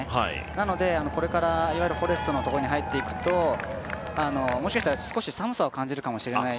なので、これからいわゆるフォレストのところに入っていくと、もしかしたら寒さを感じるかもしれない。